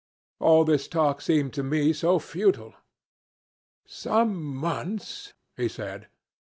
All this talk seemed to me so futile. 'Some months,' he said.